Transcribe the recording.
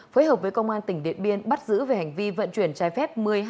phối hợp với công an tỉnh điện biên bắt giữ về hành vi vận chuyển trái phép